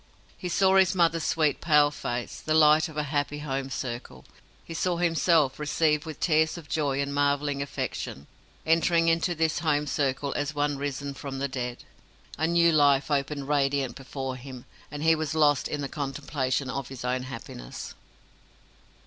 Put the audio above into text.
He saw his mother's sweet pale face, the light of a happy home circle. He saw himself received with tears of joy and marvelling affection entering into this home circle as one risen from the dead. A new life opened radiant before him, and he was lost in the contemplation of his own happiness.